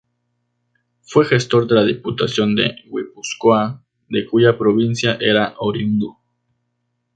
Fue gestor de la Diputación de Guipúzcoa, de cuya provincia era oriundo.